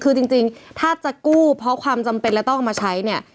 คือจริงถ้าจะกู้เพราะความจำเป็นแล้วต้องเอามาใช้เนี่ย